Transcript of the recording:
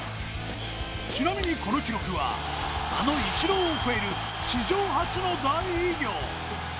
ちなみにこの記録はあのイチローを超える史上初の大偉業。